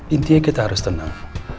intinya kita harus tenang